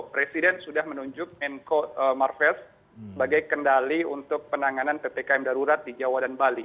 presiden sudah menunjuk menko marves sebagai kendali untuk penanganan ppkm darurat di jawa dan bali